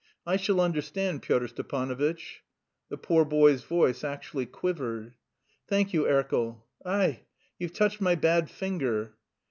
I shall understand, Pyotr Stepanovitch." The poor boy's voice actually quivered. "Thank you, Erkel.... Aie, you've touched my bad finger."